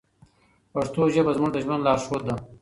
پښتو ژبه زموږ د ژوند لارښود ده.